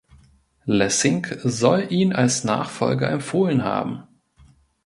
Lessing soll ihn als Nachfolger empfohlen haben.